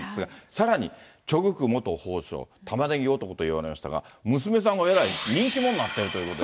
さらにチョ・グク元法相、タマネギ男といわれましたが、娘さんがえらい人気者になってるということで。